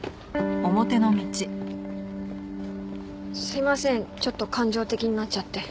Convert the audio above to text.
すいませんちょっと感情的になっちゃって。